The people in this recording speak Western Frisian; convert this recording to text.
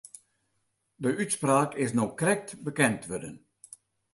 De útspraak is no krekt bekend wurden.